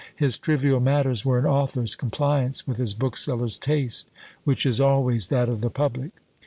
His trivial matters were an author's compliance with his bookseller's taste, which is always that of the public.